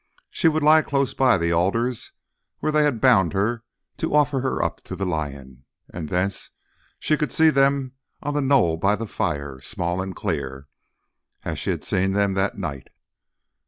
She would lie close by the alders where they had bound her to offer her up to the lion, and thence she could see them on the knoll by the fire, small and clear, as she had seen them that night.